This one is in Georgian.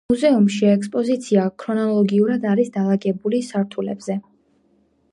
მუზეუმში ექსპოზიცია ქრონოლოგიურად არის დალაგებული სართულებზე.